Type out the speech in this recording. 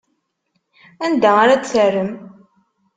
Anda ara t-terrem?